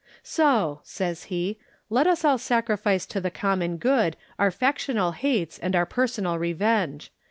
"So," says he, "let us all sacrifice to the common good our factional hates and our personal revenge.